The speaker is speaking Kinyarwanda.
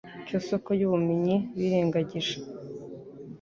cyo soko y'ubumenyi birengagije.